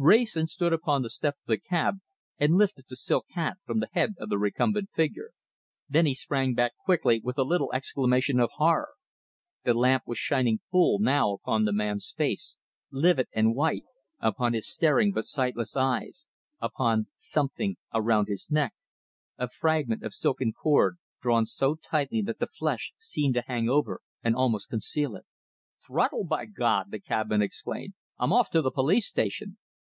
Wrayson stood upon the step of the cab and lifted the silk hat from the head of the recumbent figure. Then he sprang back quickly with a little exclamation of horror. The lamp was shining full now upon the man's face, livid and white, upon his staring but sightless eyes, upon something around his neck, a fragment of silken cord, drawn so tightly that the flesh seemed to hang over and almost conceal it. "Throttled, by God!" the cabman exclaimed. "I'm off to the police station."